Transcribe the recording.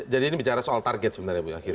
jadi ini bicara soal target sebenarnya bu akhirnya